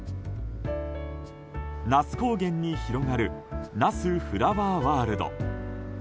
那須高原に広がる那須フラワーワールド。